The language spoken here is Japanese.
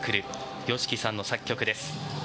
ＹＯＳＨＩＫＩさんの作曲です。